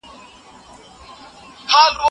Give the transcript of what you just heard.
زده کوونکي د یو بل سره په ډله ایز کار کې مرسته کوي.